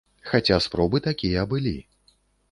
Хаця спробы такія былі.